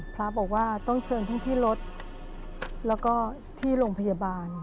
พระบอกว่าต้องเชิญทั้งที่รถแล้วก็ที่โรงพยาบาล